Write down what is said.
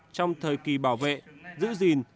trong thời kỳ bảo vệ giữ gìn